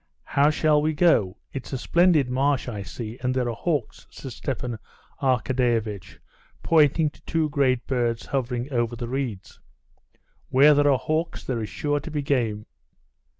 "How shall we go? It's a splendid marsh, I see, and there are hawks," said Stepan Arkadyevitch, pointing to two great birds hovering over the reeds. "Where there are hawks, there is sure to be game."